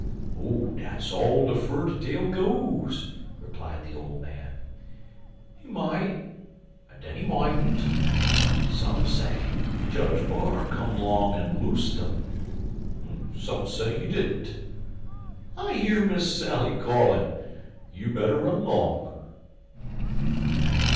"Dat's all de fur de tale goes," replied the old man. "He mout, an den agin he moutent. Some say Judge B'ar come 'long en loosed 'im some say he didn't. I hear Miss Sally callin'. You better run 'long."